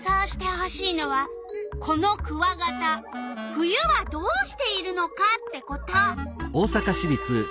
冬はどうしているのかってこと。